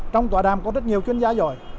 trong tòa đàm có rất nhiều chuyên gia giỏi